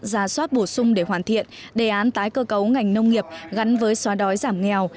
ra soát bổ sung để hoàn thiện đề án tái cơ cấu ngành nông nghiệp gắn với xóa đói giảm nghèo